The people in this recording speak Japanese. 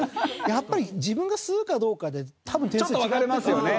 やっぱり自分が吸うかどうかで多分点数違ってくると思うんですよね。